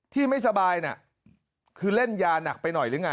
ที่ไม่สบายน่ะคือเล่นยาหนักไปหน่อยหรือไง